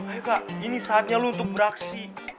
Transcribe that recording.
ayo kak ini saatnya lo untuk beraksi